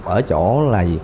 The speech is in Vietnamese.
ở chỗ là gì